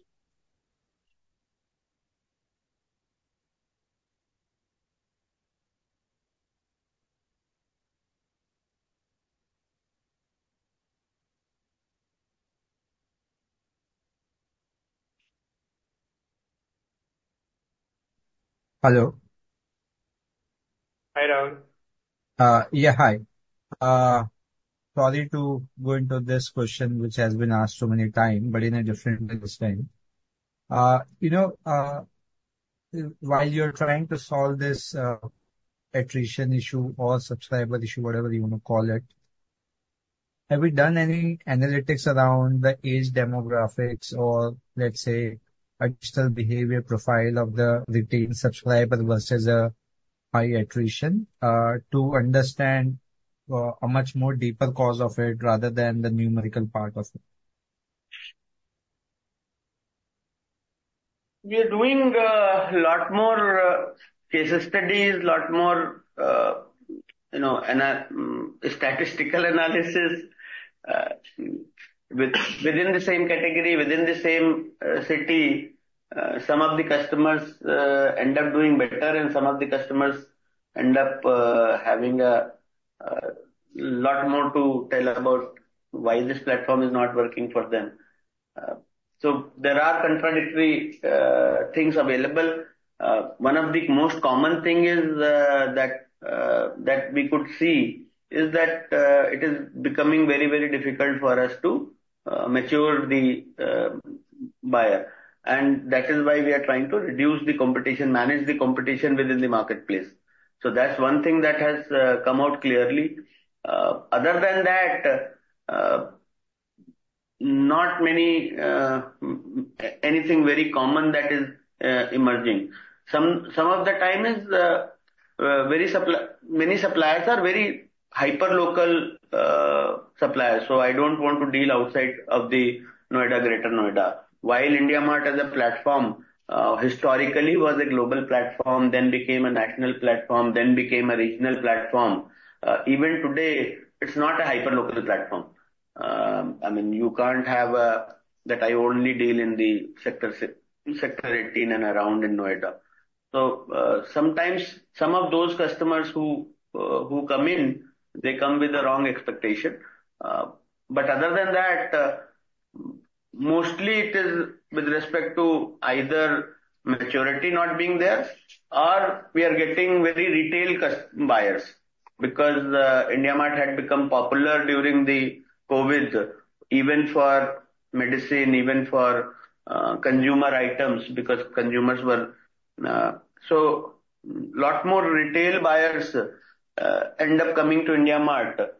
Speaker 13: Hello.
Speaker 2: Hi, Rahul.
Speaker 13: Yeah, hi. Sorry to go into this question, which has been asked so many time, but in a different way this time. You know, while you're trying to solve this, attrition issue or subscriber issue, whatever you want to call it, have we done any analytics around the age demographics or let's say, additional behavior profile of the retained subscriber versus a high attrition, to understand, a much more deeper cause of it rather than the numerical part of it?
Speaker 2: We are doing a lot more case studies, a lot more, you know, statistical analysis. Within the same category, within the same city, some of the customers end up doing better, and some of the customers end up having a lot more to tell about why this platform is not working for them. So there are contradictory things available. One of the most common thing is that we could see is that it is becoming very, very difficult for us to mature the buyer, and that is why we are trying to reduce the competition, manage the competition within the marketplace. So that's one thing that has come out clearly. Other than that, not many anything very common that is emerging. Some of the time, many suppliers are very hyperlocal suppliers, so I don't want to deal outside of the Noida, Greater Noida. While IndiaMART as a platform historically was a global platform, then became a national platform, then became a regional platform, even today, it's not a hyperlocal platform. I mean, you can't have that I only deal in the sector eighteen and around in Noida. So, sometimes some of those customers who come in, they come with the wrong expectation. But other than that, mostly it is with respect to either maturity not being there, or we are getting very retail custom buyers. Because IndiaMART had become popular during the COVID, even for medicine, even for consumer items, because consumers were... So a lot more retail buyers end up coming to IndiaMART.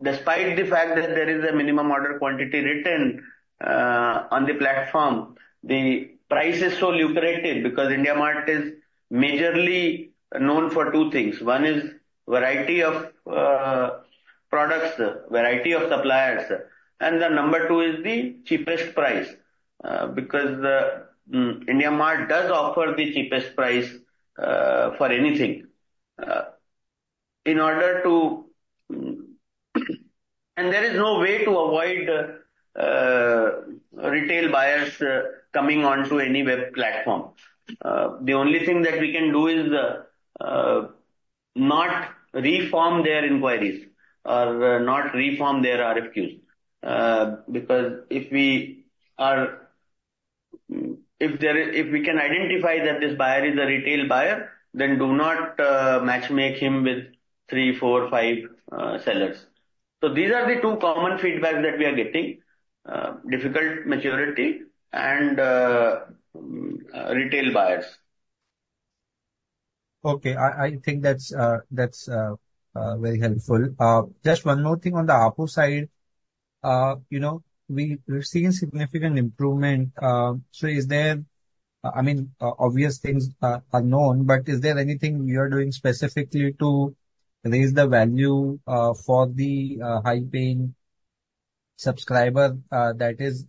Speaker 2: Despite the fact that there is a minimum order quantity written on the platform, the price is so lucrative because IndiaMART is majorly known for 2 things. 1 is variety of products, variety of suppliers, and the number 2 is the cheapest price because IndiaMART does offer the cheapest price for anything. There is no way to avoid retail buyers coming onto any web platform. The only thing that we can do is not reform their inquiries or not reform their RFQs. Because if we can identify that this buyer is a retail buyer, then do not matchmake him with 3, 4, 5 sellers. So these are the two common feedbacks that we are getting, difficult maturity and retail buyers.
Speaker 13: Okay, I think that's very helpful. Just one more thing on the ARPU side. You know, we're seeing significant improvement, so is there... I mean, obvious things are known, but is there anything you are doing specifically to raise the value for the high-paying subscriber that is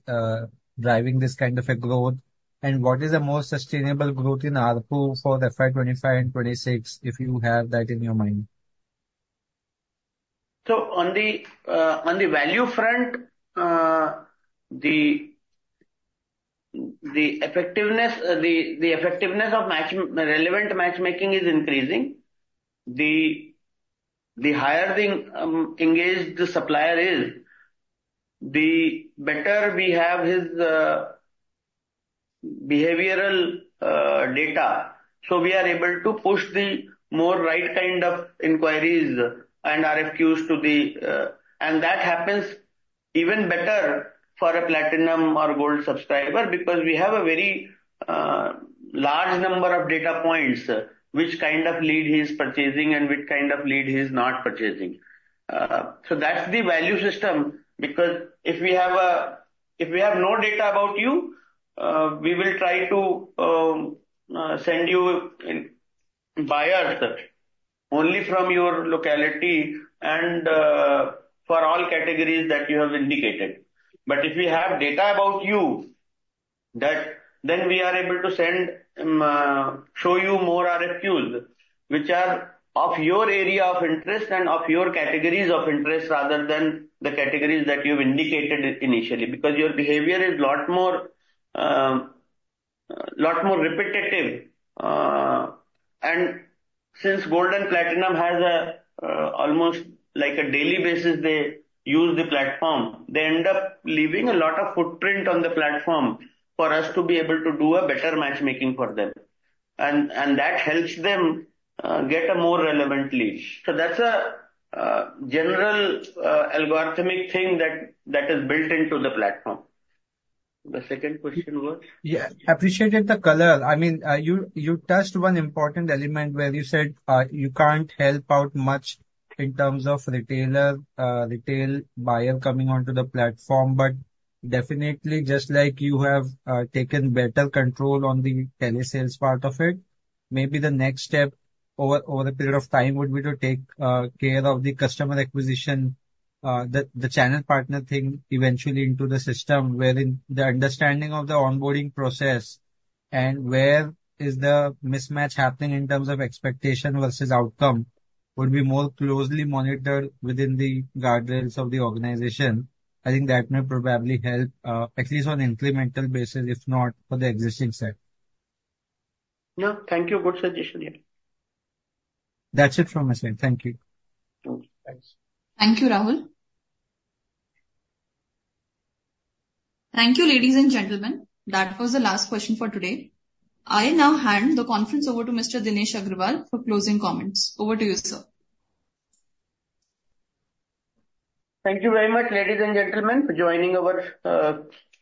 Speaker 13: driving this kind of a growth? And what is the most sustainable growth in ARPU for FY 2025 and 2026, if you have that in your mind?
Speaker 2: So on the value front, the effectiveness of the relevant matchmaking is increasing. The higher the engaged the supplier is, the better we have his behavioral data. So we are able to push the more right kind of inquiries and RFQs to the... And that happens even better for a platinum or gold subscriber, because we have a very large number of data points, which kind of lead he is purchasing and which kind of lead he is not purchasing. So that's the value system, because if we have no data about you, we will try to send you buyers only from your locality and for all categories that you have indicated. But if we have data about you, that then we are able to send, show you more RFQs, which are of your area of interest and of your categories of interest, rather than the categories that you've indicated initially. Because your behavior is a lot more repetitive. And since gold and platinum has almost like a daily basis, they use the platform, they end up leaving a lot of footprint on the platform for us to be able to do a better matchmaking for them. And that helps them get a more relevant lead. So that's a general algorithmic thing that is built into the platform. The second question was?
Speaker 13: Yeah, appreciated the color. I mean, you, you touched one important element where you said, you can't help out much in terms of retailer, retail buyer coming onto the platform, but definitely just like you have, taken better control on the telesales part of it, maybe the next step over, over a period of time would be to take, care of the customer acquisition, the, the channel partner thing eventually into the system, wherein the understanding of the onboarding process and where is the mismatch happening in terms of expectation versus outcome, would be more closely monitored within the guidelines of the organization. I think that may probably help, at least on incremental basis, if not for the existing set.
Speaker 2: Yeah. Thank you. Good suggestion, yeah.
Speaker 13: That's it from my side. Thank you.
Speaker 2: Okay, thanks.
Speaker 4: Thank you, Rahul. Thank you, ladies and gentlemen. That was the last question for today. I now hand the conference over to Mr. Dinesh Agarwal for closing comments. Over to you, sir.
Speaker 2: Thank you very much, ladies and gentlemen, for joining our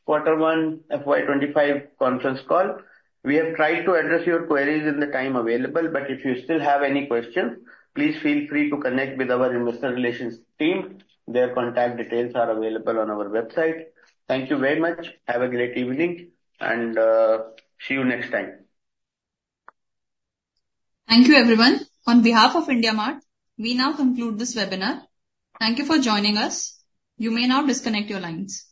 Speaker 2: quarter one FY 25 conference call. We have tried to address your queries in the time available, but if you still have any questions, please feel free to connect with our investor relations team. Their contact details are available on our website. Thank you very much. Have a great evening, and see you next time.
Speaker 4: Thank you, everyone. On behalf of IndiaMART, we now conclude this webinar. Thank you for joining us. You may now disconnect your lines.